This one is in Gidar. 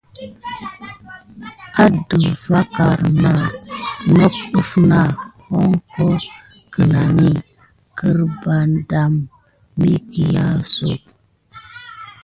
Əɗah va kəmna nok def na hoga kinani kabarkamà meyuhiyaku.